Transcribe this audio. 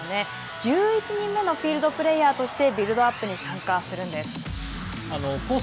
１１人目のフィールドプレーヤーとしてビルドアップに参加するんです。